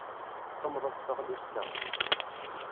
Semmḍet teɣlust-a.